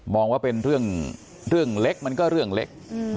มองว่าเป็นเรื่องเรื่องเล็กมันก็เรื่องเล็กอืม